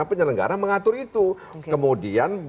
penyelenggara mengatur itu kemudian